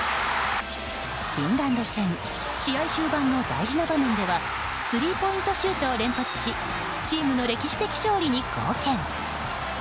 フィンランド戦試合終盤の大事な場面ではスリーポイントシュートを連発しチームの歴史的勝利に貢献。